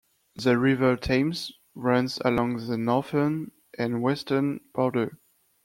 The River Thames runs along the northern and western border.